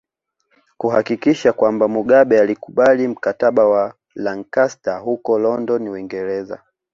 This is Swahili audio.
Kuhakikisha kwamba Mugabe alikubali Mkataba wa Lancaster huko London Uingereza